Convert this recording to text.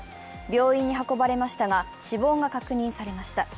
病院に運ばれましたが、死亡が確認されました。